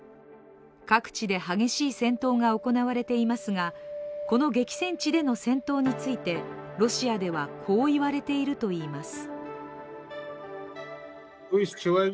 各地で激しい戦闘が行われていますがこの激戦地での戦闘についてロシアでは、こう言われているといいます。